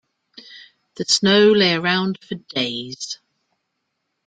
The snow lay around for days.